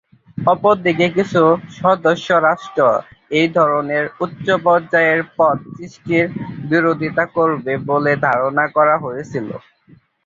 অপরদিকে কিছু সদস্য রাষ্ট্র এই ধরনের উচ্চ পর্যায়ের পদ সৃষ্টির বিরোধিতা করবে বলে ধারণা করা হয়েছিল।